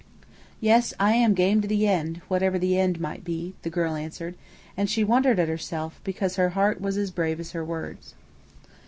"Yes, I am 'game' to the end whatever the end may be," the girl answered; and she wondered at herself, because her heart was as brave as her words.